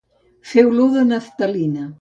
Fer olor de naftalina.